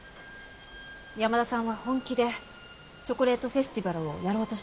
山田さんは本気でチョコレートフェスティバルをやろうとしてました。